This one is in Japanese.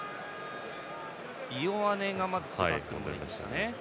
イオアネがまずタックルに行きました。